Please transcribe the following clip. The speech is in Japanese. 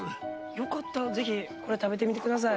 よかった、ぜひこれ食べてみてください。